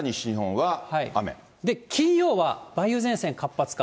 金曜は梅雨前線活発化。